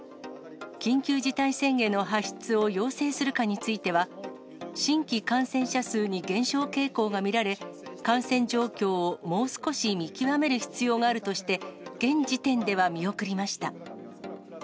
緊急事態宣言の発出を要請するかについては、新規感染者数に減少傾向が見られ、感染状況をもう少し見極める必要があるとして、現時点では見送りました。